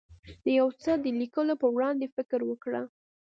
د یو څه د لیکلو وړاندې فکر وکړه.